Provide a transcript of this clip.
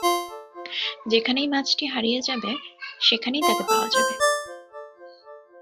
যেখানেই মাছটি হারিয়ে যাবে, সেখানেই তাকে পাওয়া যাবে।